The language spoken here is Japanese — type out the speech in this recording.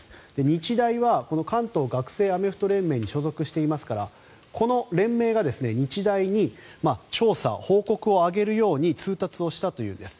日大はこの関東学生アメフト連盟に所属していますからこの連盟が日大に調査報告を上げるように通達したというんです。